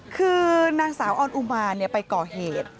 คือนางสาวออนอุมานไปก่อเหตุ